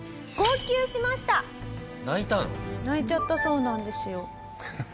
泣いちゃったそうなんですよ。